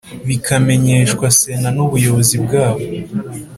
bikamenyeshwa Sena n, Ubuyobozi bwabo.